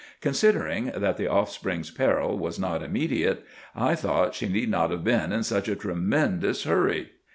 Considering that the offspring's peril was not immediate, I thought she need not have been in such a tremendous hurry.